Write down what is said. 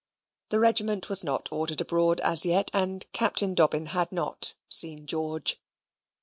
The regiment was not ordered abroad as yet; and Captain Dobbin had not seen George.